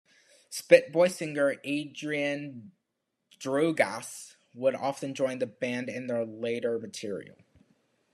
Spitboy singer Adrienne Droogas would often join the band in their later material.